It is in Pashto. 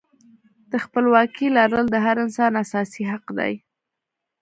د خپلواکۍ لرل د هر انسان اساسي حق دی.